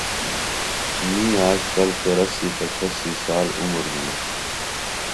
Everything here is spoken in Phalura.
می آجکل چوراسی پچھاسی سال عُمر ہِنوۡ